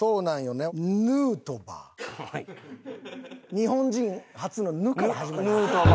日本人初の「ヌ」から始まります。